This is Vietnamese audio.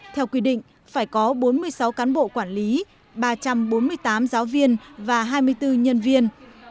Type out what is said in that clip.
theo quy định phải có bốn mươi sáu cán bộ quản lý ba trăm bốn mươi tám giáo viên và hai mươi bốn nhân viên